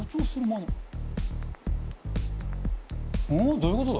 どういうことだ？